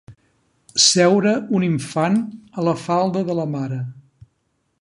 Seure un infant a la falda de la mare.